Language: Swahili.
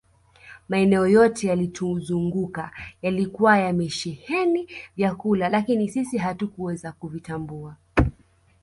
Maeneo yote yaliyotuzunguka yalikuwa yamesheheni vyakula lakini sisi hatukuweza kuvitambua